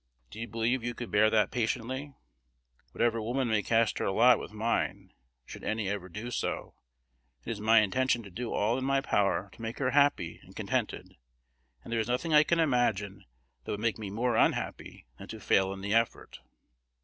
Do you believe you could bear that patiently? Whatever woman may cast her lot with mine, should any ever do so, it is my intention to do all in my power to make her happy and contented; and there is nothing I can imagine that would make me more unhappy than to fail in the effort.